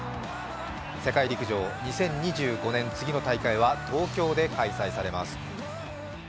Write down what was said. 世界陸上、２０２５年、次の大会は東京で開催されます。